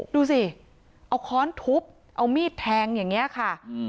ดูสิเอาค้อนทุบเอามีดแทงอย่างนี้ค่ะ